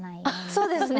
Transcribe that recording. そうですね。